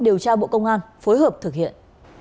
điều tra bộ công an phối hợp thực hiện